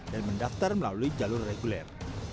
dan mendaftar melalui jalur reguler